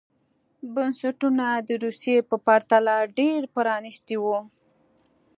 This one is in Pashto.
بنسټونه د روسیې په پرتله ډېر پرانېستي وو.